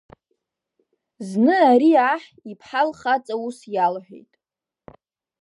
Зны ари аҳ, иԥҳа лхаҵа ус иалҳәеит…